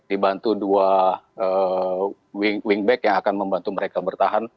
dibantu dua wingback yang akan membantu mereka bertahan